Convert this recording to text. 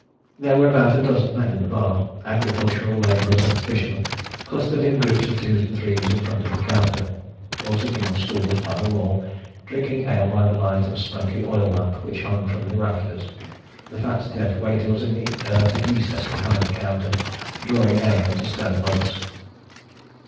There were about a dozen men in the bar agricultural labourers and fishermen clustered in groups of twos and threes in front of the counter, or sitting on stools by the wall, drinking ale by the light of a smoky oil lamp which hung from the rafters. The fat deaf waiter was in the earthy recess behind the counter, drawing ale into stone mugs.